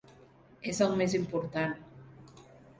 És el més important.